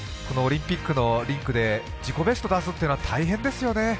オリンピックのリンクで自己ベスト出すっていうのは大変ですよね。